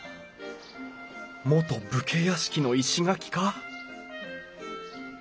元武家屋敷の石垣か？